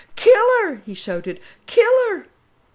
Kill her!" he shouted, "kill her."